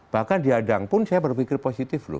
bahkan dihadang pun saya berpikir positif loh